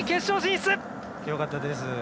よかったです。